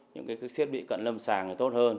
những cái thiết bị cận lâm sàng là tốt hơn